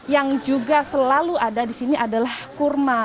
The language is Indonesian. yang juga selalu ada di sini adalah kurma